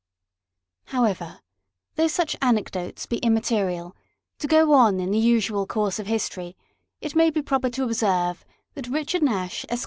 However, though such anecdotes be immaterial, to go on in the usual course of history, it may be proper to observe, that RICHARD NASH, Esq.